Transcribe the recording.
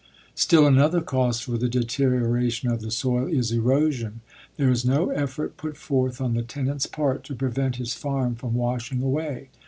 Still another cause for the deterioration of the soil is erosion. There is no effort put forth on the tenant's part to prevent his farm from washing away.